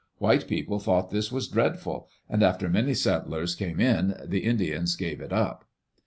White people thought this was dreadful, and after many settlers came in the Indians gave it up.